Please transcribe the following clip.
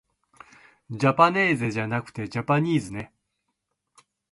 じゃぱねーぜじゃなくてじゃぱにーずね